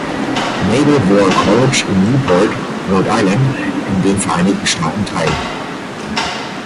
Naval War College in Newport (Rhode Island) in den Vereinigten Staaten teil.